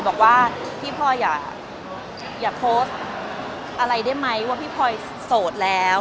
บอกว่าพี่พลอยอย่าโพสต์อะไรได้ไหมว่าพี่พลอยโสดแล้ว